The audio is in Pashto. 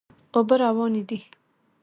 اوبه روانې دي.